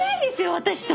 私と。